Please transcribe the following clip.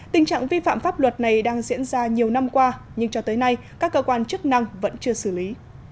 tình trạng vi phạm pháp luật này đang diễn ra nhiều năm qua nhưng cho tới nay các cơ quan chức năng vẫn chưa xử lý